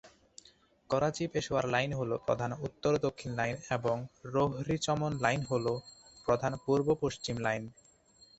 করাচি-পেশোয়ার line হল প্রধান উত্তর-দক্ষিণ line, এবং রোহরি-চমন লাইন হল প্রধান পূর্ব-পশ্চিম লাইন।